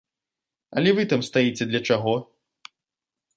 Але вы там стаіце для чаго?